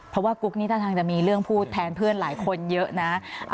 เพราะว่ากุ๊กนี่ท่าทางจะมีเรื่องพูดแทนเพื่อนหลายคนเยอะนะ